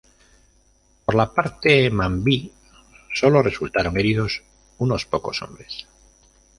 Por la parte mambí solo resultaron heridos unos pocos hombres.